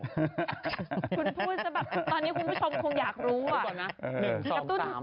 คุณพูดซะแบบตอนนี้คุณผู้ชมคงอยากรู้อ่ะ